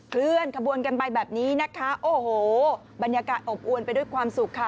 เคลื่อนขบวนกันไปแบบนี้นะคะโอ้โหบรรยากาศอบอวนไปด้วยความสุขค่ะ